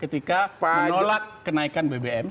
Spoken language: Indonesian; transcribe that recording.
ketika menolak kenaikan bbm